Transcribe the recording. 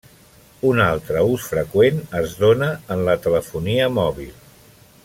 Un altre ús freqüent es dóna en la telefonia mòbil.